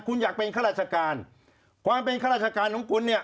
คุณอยากเป็นข้าราชการความเป็นข้าราชการของคุณเนี่ย